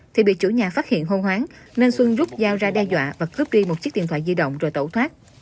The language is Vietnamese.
thì bị chủ nhà phát hiện hô hoáng nên xuân rút dao ra đe dọa và cướp đi một chiếc điện thoại di động rồi tẩu thoát